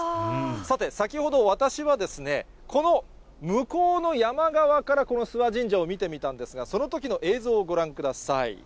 さて、先ほど私はこの向こうの山側からこの諏訪神社を見てみたんですが、そのときの映像をご覧ください。